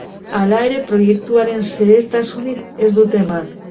Hala ere, proiektuaren xehetasunik ez dute eman.